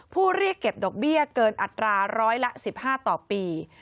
เรียกเก็บดอกเบี้ยเกินอัตราร้อยละ๑๕ต่อปี